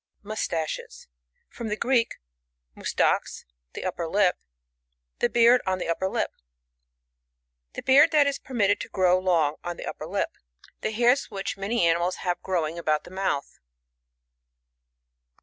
Mustaches. — From the Greek, mu« tax^ the upper lip ; the beard on the upper lip. The beard that is permitted to grow long on the upper lip. The hairs which many animals have growing about the mouth.